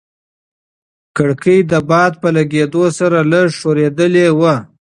کړکۍ د باد په لګېدو سره لږه ښورېدلې وه.